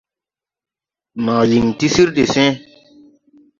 Naa yiŋ ti sir de see.